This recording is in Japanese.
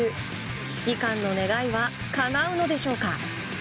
指揮官の願いはかなうのでしょうか。